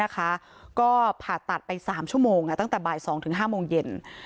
ก็ผ่าตัดไป๓ชั่วโมงตั้งแต่บ่าย๒๕โมงเย็น